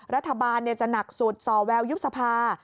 รัฐบาลจะหนักสุดส่อแววยุบสภา